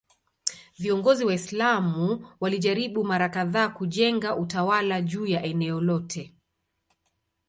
Viongozi Waislamu walijaribu mara kadhaa kujenga utawala juu ya eneo lote.